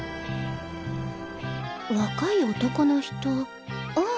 若い男の人ああ！